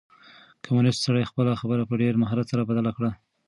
کمونيسټ سړي خپله خبره په ډېر مهارت سره بدله کړه.